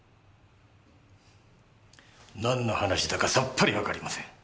何の話だかさっぱりわかりません。